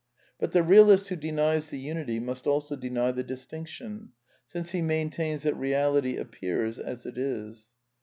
But the realist who denies the unity must also deny the distinction, since he maintains that Beality appears as it is.